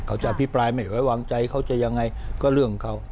อภิปรายไม่ไว้วางใจเขาจะยังไงก็เรื่องเขา